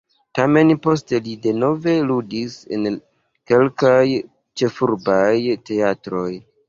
Tamen poste li denove ludis en kelkaj ĉefurbaj teatroj.